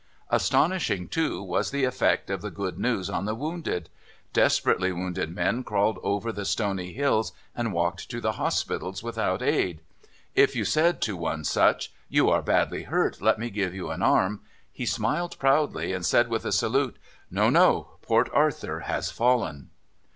Astonishing, too, was the effect of the good news on the wounded. Desperately wounded men crawled over the stony hills and walked to the hospitals without aid. If you said to one such, "You are badly hurt; let me give you an arm," he smiled proudly, and said with a salute, "No, no; Port Arthur has fallen!"